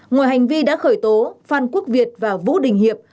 ngoài hành vi đã khởi tố phan quốc việt và vũ đình hiệp